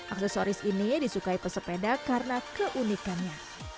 aksesoris ini disukai pesepeda karena keunikannya